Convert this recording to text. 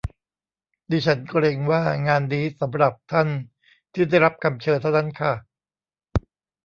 ดิฉันเกรงว่างานนี้สำหรับท่านที่ได้รับคำเชิญเท่านั้นค่ะ